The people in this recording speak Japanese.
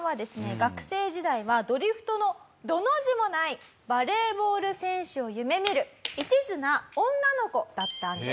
学生時代はドリフトの「ド」の字もないバレーボール選手を夢見る一途な女の子だったんです。